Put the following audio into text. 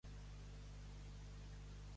De l'home amargat no esperis res de grat.